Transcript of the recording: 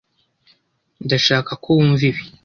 Ndashaka ko wumva ibi.